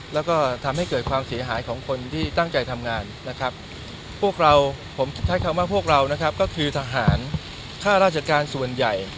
แล้วก็ทำให้เกิดความเสียหายของคนที่ตั้งใจทำงาน